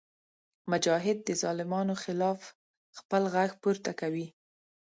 مجاهد د ظالمانو خلاف خپل غږ پورته کوي.